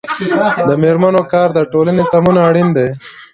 د میرمنو کار د ټولنې سمون اړین دی.